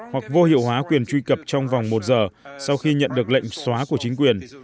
hoặc vô hiệu hóa quyền truy cập trong vòng một giờ sau khi nhận được lệnh xóa của chính quyền